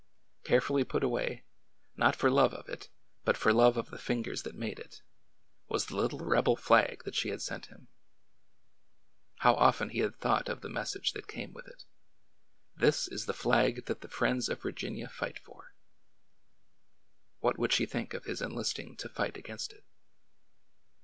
Care fully put away, not for love of it, but for love of the fingers that made it, was the little rebel flag that she had sent him. How often he had thought of the message that came with it :" This is the flag that the friends of Vir ginia fight for "! What would she think of his enlisting to fight against it?